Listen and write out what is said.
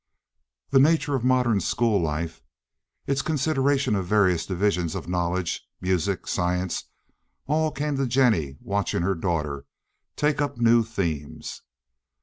The nature of modern school life, its consideration of various divisions of knowledge, music, science, all came to Jennie watching her daughter take up new themes.